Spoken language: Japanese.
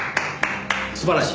素晴らしい！